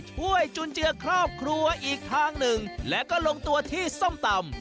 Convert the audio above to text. จุนเจือครอบครัวอีกทางหนึ่งและก็ลงตัวที่ส้มตำ